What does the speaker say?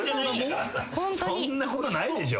そんなことないでしょ。